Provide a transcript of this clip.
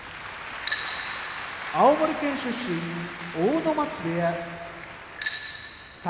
青森県出身阿武松部屋宝